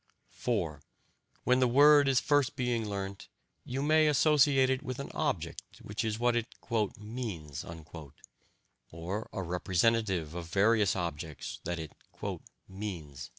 (4) When the word is being first learnt, you may associate it with an object, which is what it "means," or a representative of various objects that it "means."